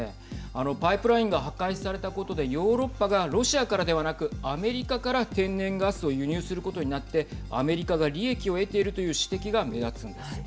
あの、パイプラインが破壊されたことでヨーロッパがロシアからではなくアメリカから天然ガスを輸入することになってアメリカが利益を得ているという指摘が目立つんです。